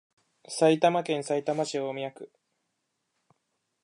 埼玉県さいたま市大宮区